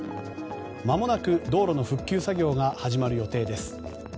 まもなく道路の復旧作業が始まる予定です。